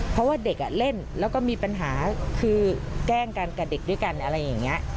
เพราะว่าเด็กเล่นแล้วก็มีปัญหาคือแกล้งกันกับเด็กด้วยกันอะไรอย่างนี้